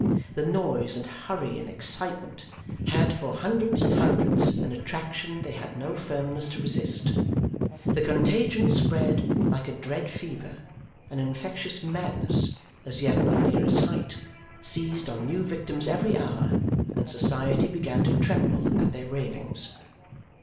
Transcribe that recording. The noise, and hurry, and excitement, had for hundreds and hundreds an attraction they had no firmness to resist. The contagion spread like a dread fever: an infectious madness, as yet not near its height, seized on new victims every hour, and society began to tremble at their ravings.